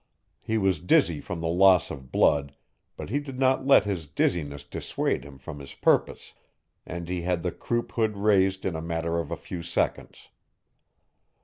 He was dizzy from the loss of blood, but he did not let his dizziness dissuade him from his purpose, and he had the croup hood raised in a matter of a few seconds.